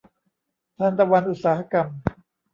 ทานตะวันอุตสาหกรรม